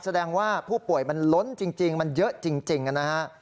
แสดงว่าผู้ป่วยมันล้นจริงมันเยอะจริงนะฮะ